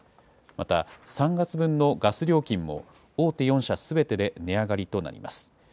また、３月分のガス料金も、大手４社すべてで値上がりとなります。